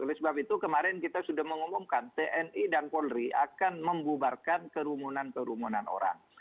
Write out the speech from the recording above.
oleh sebab itu kemarin kita sudah mengumumkan tni dan polri akan membubarkan kerumunan kerumunan orang